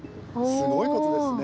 すごいことですね。